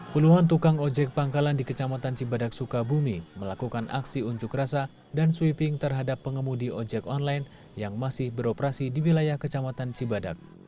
puluhan tukang ojek pangkalan di kecamatan cibadak sukabumi melakukan aksi unjuk rasa dan sweeping terhadap pengemudi ojek online yang masih beroperasi di wilayah kecamatan cibadak